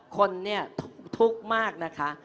คนเนี่ยทุกข์มากนะคะ